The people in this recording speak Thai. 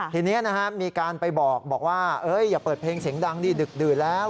ทีนี้มีการไปบอกอย่าเปิดเพลงเสียงดังดึกแล้ว